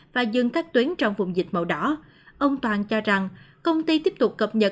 và dừng các tuyến trong vùng dịch màu đỏ ông toàn cho rằng công ty tiếp tục cập nhật